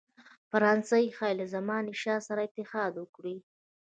فرانسه ښايي له زمانشاه سره اتحاد وکړي.